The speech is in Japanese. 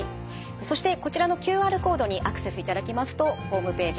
そしてこちらのＱＲコードにアクセスいただきますとホームページ